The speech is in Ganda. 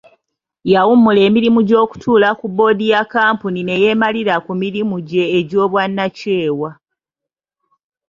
Yawummula emirimu gy'okutuula ku boodi ya kkampuni ne yeemalira ku mirimu gye egy'obwannakyewa.